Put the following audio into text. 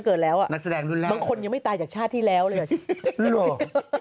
ก็เกิดแล้วบางคนยังไม่ตายจากชาติที่แล้วเลย